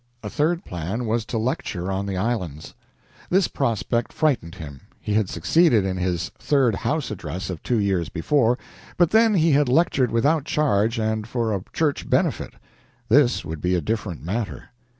A third plan was to lecture on the islands. This prospect frightened him. He had succeeded in his "Third House" address of two years before, but then he had lectured without charge and for a church benefit. This would be a different matter.